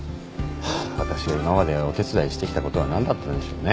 ハァわたしが今までお手伝いしてきたことは何だったんでしょうね。